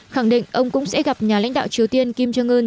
khẳng định ông cũng sẽ gặp nhà lãnh đạo triều tiên kim jong un